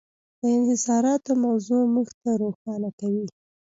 د انحصاراتو موضوع موږ ته روښانه کوي.